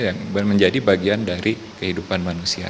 yang menjadi bagian dari kehidupan manusia